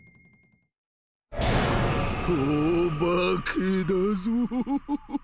「お化けだぞ！」。